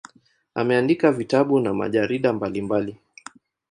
Ameandika vitabu na majarida mbalimbali.